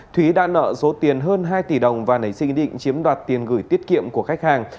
thúy đã nợ số tiền hơn hai tỷ đồng và nảy sinh ý định chiếm đoạt tiền gửi tiết kiệm của khách hàng